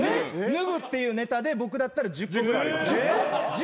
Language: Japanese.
脱ぐっていうネタで僕だったら１０個ぐらい。